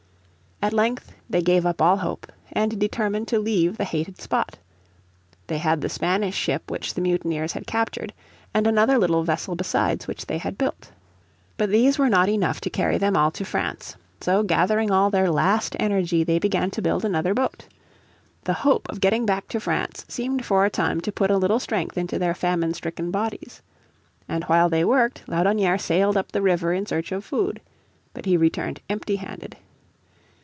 At length they gave up all hope, and determined to leave the hated spot. They had the Spanish ship which the mutineers had captured, and another little vessel besides which they had built. But these were not enough to carry them all to France, so gathering all their last energy they began to build another boat. The hope of getting back to France seemed for a time to put a little strength into their famine stricken bodies. And while they worked Laudonnière sailed up the river in search of food. But he returned empty handed.